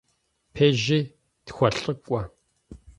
Пежьи тхуэлӏыкӏуэ.